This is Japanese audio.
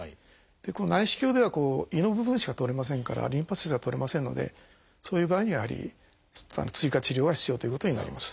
この内視鏡では胃の部分しか取れませんからリンパ節は取れませんのでそういう場合にはやはり追加治療は必要ということになります。